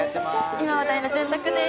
今話題の「潤沢」です。